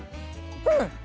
うん。